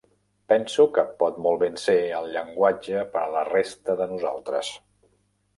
Penso que pot molt ben ser el llenguatge per a la resta de nosaltres.